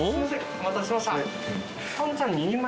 お待たせしました２人前？